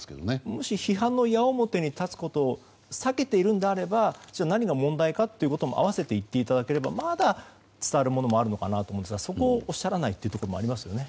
もし批判の矢面に立つことを避けているのであれば何が問題かということも併せて言っていただければまだ伝わるものもあるのかなと思うんですがそこをおっしゃらないということもありますよね。